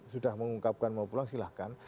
sudah mengungkapkan mau pulang silahkan